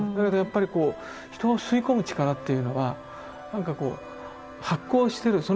だけどやっぱりこう人を吸い込む力っていうのは何かこう発光してる。